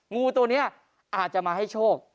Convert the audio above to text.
งูตัวนี้อาจจะมาให้โชค